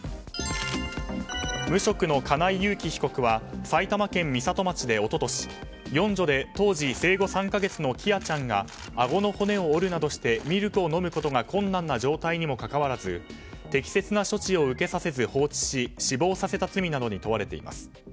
無職の金井裕喜被告は埼玉県美里町で一昨年、四女で当時生後３か月の喜空ちゃんがあごの骨を折るなどしてミルクを飲むことが困難な状態にもかかわらず適切な処置を受けさせず放置し死亡させた罪などに問われています。